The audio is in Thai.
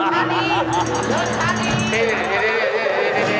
ชาลีเดินชาลี